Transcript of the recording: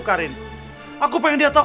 biar aku yang harap